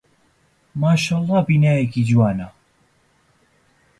ماشەڵڵا بینایەکی جوانە.